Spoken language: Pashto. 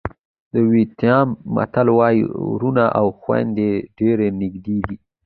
د وېتنام متل وایي وروڼه او خویندې ډېر نږدې دي.